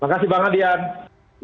makasih bang adhiana